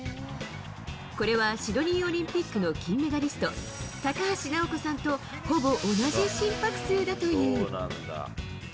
これは、シドニーオリンピックの金メダリスト、高橋尚子さんとほぼ同じ心拍数だという。